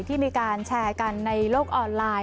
ที่มีการแชร์กันในโลกออนไลน์